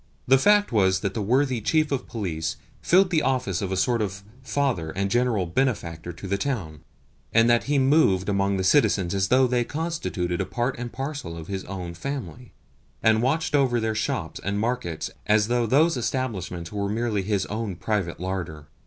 The fact was that the worthy Chief of Police filled the office of a sort of father and general benefactor to the town, and that he moved among the citizens as though they constituted part and parcel of his own family, and watched over their shops and markets as though those establishments were merely his own private larder.